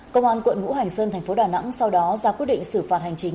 công an quận ngũ hành sơn thành phố đà nẵng sau đó ra quyết định xử phạt hành chính